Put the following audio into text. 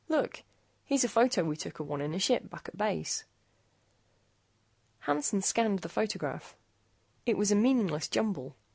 Look! Here's a photo we took of one in a ship back at base." Hansen scanned the photograph. It was a meaningless jumble.